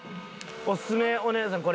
おすすめお姉さん